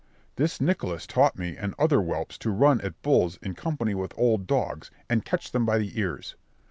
This Nicholas taught me and other whelps to run at bulls in company with old dogs and catch them by the ears.